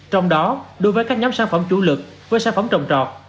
trong đó đối với các nhóm sản phẩm chủ lực với sản phẩm trồng trọt